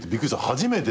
初めて。